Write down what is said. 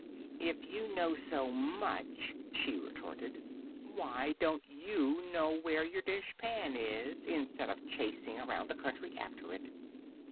"If you know so much," she retorted, "why don't you know where your dishpan is instead of chasing around the country after it?"